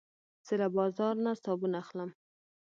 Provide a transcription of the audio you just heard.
زه له بازار نه صابون اخلم.